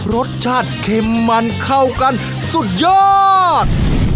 รสชาติเค็มมันเข้ากันสุดยอด